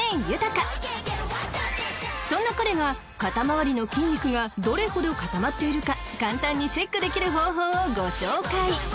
［そんな彼が肩周りの筋肉がどれほど固まっているか簡単にチェックできる方法をご紹介］